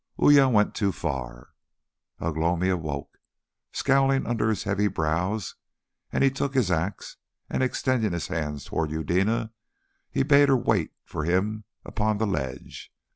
Uya went too far. Ugh lomi awoke, scowling under his heavy brows, and he took his axe, and extending his hand towards Eudena he bade her wait for him upon the ledge.